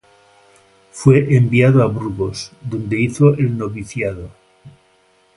Fue enviado a Burgos, donde hizo el noviciado.